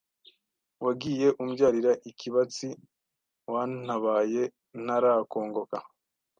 wagiye umbyarira ikibatsi wantabaye ntarakongoka,